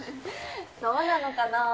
そうなのかなぁ？